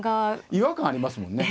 違和感ありますもんね。